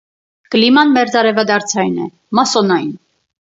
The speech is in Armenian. Կլիման մերձարևադարձային է, մասսոնային։